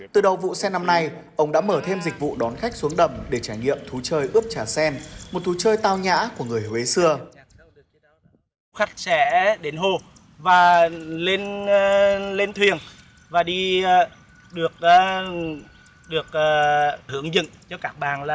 từ đầu vụ sen năm nay ông đã mở thêm dịch vụ đón khách xuống đầm để trải nghiệm thú chơi ướp trà sen một thú chơi tao nhã của người huế xưa